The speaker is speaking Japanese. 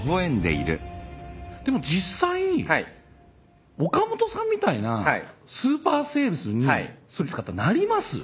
でも実際岡本さんみたいなスーパーセールスにそれ使ったらなります？